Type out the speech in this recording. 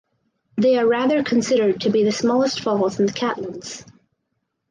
They are rather considered to be the smallest falls in The Catlins.